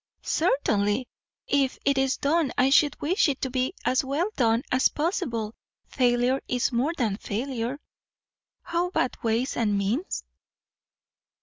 "Certainly! If it is done, I should wish it to be as well done as possible. Failure is more than failure." "How about ways and means?"